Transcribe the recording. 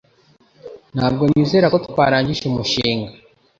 Ntabwo nizera ko twarangije umushinga